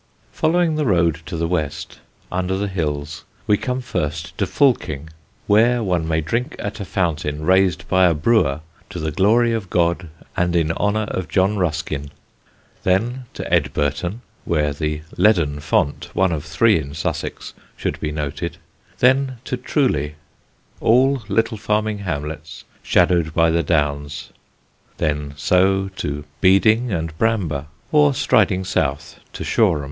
Following the road to the west, under the hills, we come first to Fulking (where one may drink at a fountain raised by a brewer to the glory of God and in honour of John Ruskin), then to Edburton (where the leaden font, one of three in Sussex, should be noted), then to Truleigh, all little farming hamlets shadowed by the Downs, and so to Beeding and Bramber, or, striking south, to Shoreham.